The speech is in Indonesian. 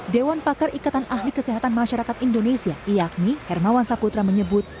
dewan pakar ikatan ahli kesehatan masyarakat indonesia iakmi hermawan saputra menyebut